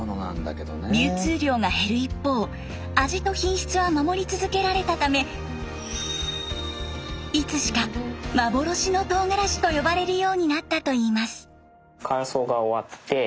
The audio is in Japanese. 流通量が減る一方味と品質は守り続けられたためいつしか幻のとうがらしと呼ばれるようになったといいます。